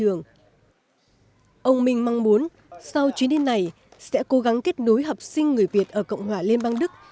ông minh mong muốn sau chuyến đi này sẽ cố gắng kết nối học sinh người việt ở cộng hòa liên bang đức